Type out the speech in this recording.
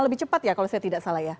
lebih cepat ya kalau saya tidak salah ya